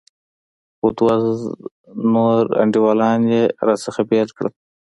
خو دوه نور انډيوالان يې رانه بېل کړل.